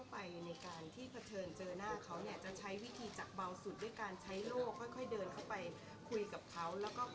จะใช้วิธีจักรเบาสุดด้วยการใช้โลกค่อยเดินเข้าไปคุยกับเขา